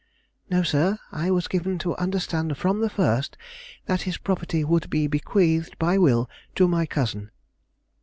"No, sir; I was given to understand, from the first, that his property would be bequeathed by will to my cousin."